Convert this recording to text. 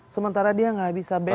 sementara dia nggak bisa b